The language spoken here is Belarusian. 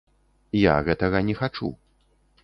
Я гэтага не хачу.